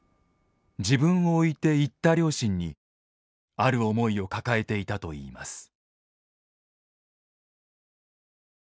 自分を置いて逝った両親にある思いを抱えていたといいます。